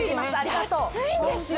安いんですよ。